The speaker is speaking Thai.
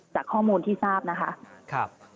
จากข้อมูลที่ทราบนะคะ